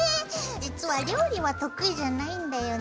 実は料理は得意じゃないんだよね。